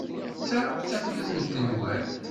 Ta d tafrut n tenwalt.